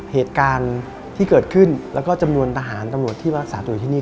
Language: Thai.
เหตุการณ์ที่เกิดขึ้นและจำนวนตาหารตำรวจที่มักสาธารณ์ที่นี่